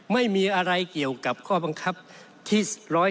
ไม่มีอะไรเกี่ยวกับข้อบังคับที่๑๒